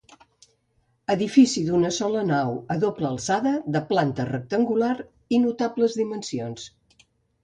Edifici d'una sola nau a doble alçada, de planta rectangular i notables dimensions.